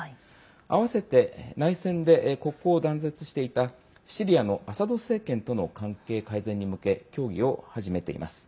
あわせて、内戦で国交を断絶していた、シリアのアサド政権との関係改善に向け協議を始めています。